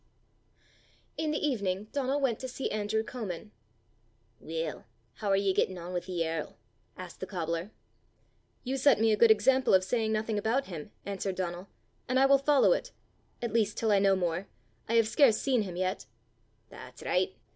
In the evening Donal went to see Andrew Comin. "Weel, hoo are ye gettin' on wi' the yerl?" asked the cobbler. "You set me a good example of saying nothing about him," answered Donal; "and I will follow it at least till I know more: I have scarce seen him yet." "That's right!"